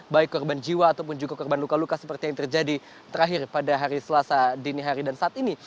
baik korban jiwa ataupun juga korban luka luka seperti yang terjadi terakhir pada hari selasa dini hari dan saat ini